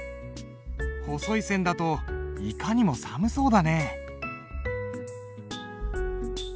細い線だといかにも寒そうだね。